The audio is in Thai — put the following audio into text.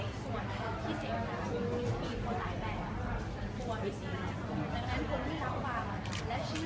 นี่มันคือมันเป็นภาษาไทยภาษาไทยก็ไม่ได้จัดการภาษาไทยก็ไม่ได้จัดการ